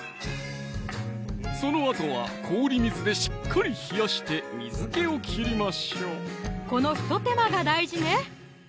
そのあとは氷水でしっかり冷やして水気を切りましょうこの一手間が大事ね